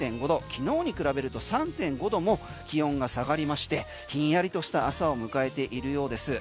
昨日に比べると３．５度も気温が気温が下がりましてひんやりとした朝を迎えているようです。